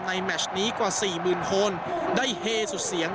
ในแม็ชนี้กว่าสี่หมื่นคนได้เฮสุดเสียง